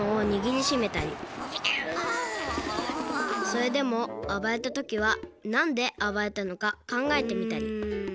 それでもあばれたときはなんであばれたのかかんがえてみたりうん。